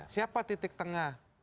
siapa titik tengah